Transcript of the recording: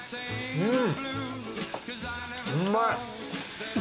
うん！